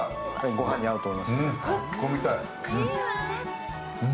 ご飯に合うと思います。